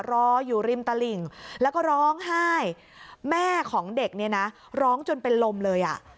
รออยู่ริมตลิ่งแล้วก็ร้องไห้แม่ของเด็กเนี่ยนะร้องจนเป็นลมเลยอ่ะ